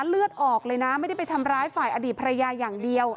เลือดออกเลยนะไม่ได้ไปทำร้ายฝ่ายอดีตภรรยาอย่างเดียว